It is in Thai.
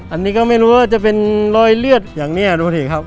อันนี้ก็ไม่รู้ว่าจะเป็นรอยเลือดอย่างนี้ดูสิครับ